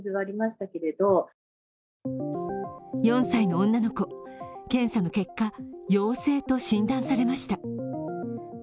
４歳の女の子、検査の結果、陽性と診断されました。